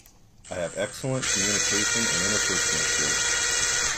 I have excellent communication and interpersonal skills.